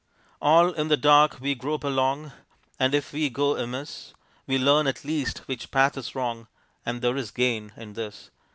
All in the dark we grope along, And if we go amiss We learn at least which path is wrong, And there is gain in this.